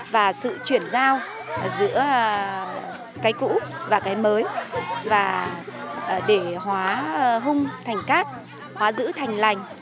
và sự chuyển giao giữa cái cũ và cái mới và để hóa hung thành cát hóa giữ thành lành